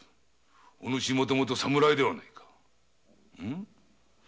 おぬしもともと侍ではないか。